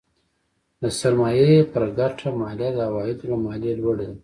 د سرمایې پر ګټه مالیه د عوایدو له مالیې لوړه ده.